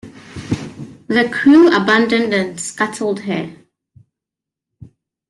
The crew abandoned and scuttled her.